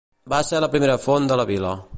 Va ser la primera font de la vila.